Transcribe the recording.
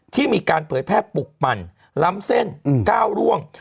ที่มีการเผยแพร่ปลุกปั่นล้ำเส้นก้าวร่วง